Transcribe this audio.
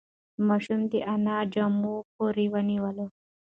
ماشوم د انا په جامو پورې ونیول.